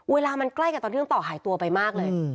เวลามันใกล้กับตอนที่น้องต่อหายตัวไปมากเลย